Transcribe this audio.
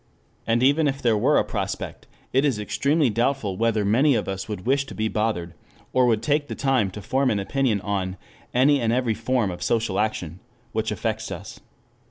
And even if there were a prospect, it is extremely doubtful whether many of us would wish to be bothered, or would take the time to form an opinion on "any and every form of social action" which affects us.